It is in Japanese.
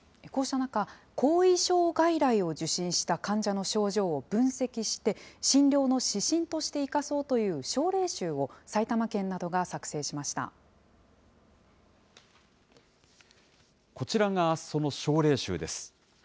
こうした中、後遺症外来を受診した患者の症状を分析して、診療の指針として生かそうという症例集を埼玉県などが作成しましこちらが、その症例集です。